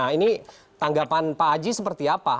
nah ini tanggapan pak aji seperti apa